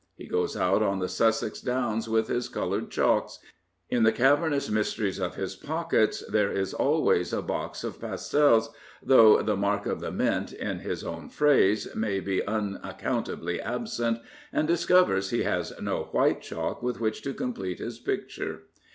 He goes out on to the Sussex downs with his coloured chalks — in the caverpous mysteries of his pockets there is always a box of pastels, though the mark of the mint/' in his own phrase, may be unaccountably absent — and discovers he has no white chalk with which to complete his picture.